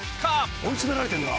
追い詰められてるな。